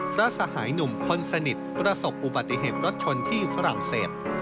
พระสหายหนุ่มคนสนิทระสกอุบัติเฮพรัชชนที่ฝรั่งเศพ